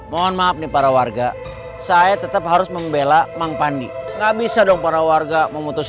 mohon maaf nih para warga saya tetap harus membela mang pandi nggak bisa dong para warga memutus